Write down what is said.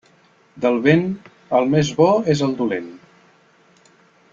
Del vent, el més bo és el dolent.